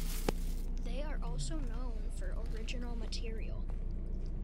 They are also known for original material.